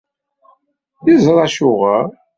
Yeẓra acuɣer.